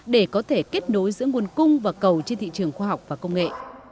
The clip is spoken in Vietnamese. để có thể kết nối giữa nguồn cung và cầu trên thị trường khoa học và công nghệ